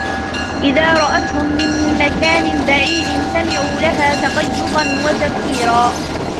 إِذَا رَأَتْهُمْ مِنْ مَكَانٍ بَعِيدٍ سَمِعُوا لَهَا تَغَيُّظًا وَزَفِيرًا